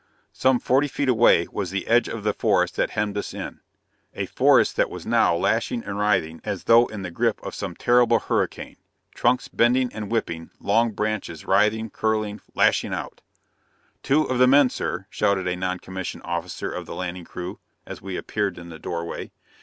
Some, forty feet away was the edge of the forest that hemmed us in. A forest that now was lashing and writhing as though in the grip of some terrible hurricane, trunks bending and whipping, long branches writhing, curling, lashing out "Two of the men, sir!" shouted a non commissioned officer of the landing crew, as we appeared in the doorway.